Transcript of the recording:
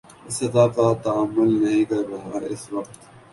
اس سطح کا تعامل نہیں کر رہا اس وقت